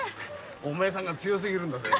お前さんが強すぎるんだぜ。